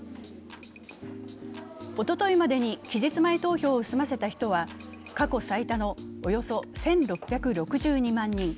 おとといまでに期日前投票を済ませた人は過去最多のおよそ１６６２万人。